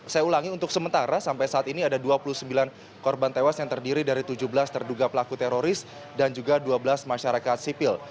saya ulangi untuk sementara sampai saat ini ada dua puluh sembilan korban tewas yang terdiri dari tujuh belas terduga pelaku teroris dan juga dua belas masyarakat sipil